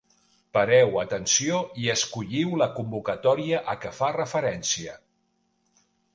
Pareu atenció i escolliu la convocatòria a què fa referència.